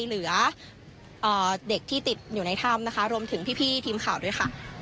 เหลือเด็กที่ติดอยู่ในถ้ำนะคะรวมถึงพี่ทีมข่าวด้วยค่ะ